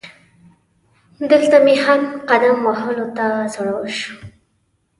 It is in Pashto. دلته مې هم قدم وهلو ته زړه وشو.